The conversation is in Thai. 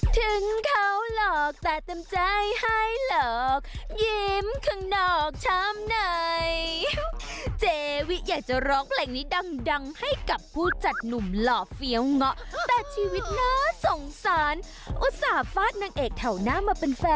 โปรดติดตามตอนต่อไป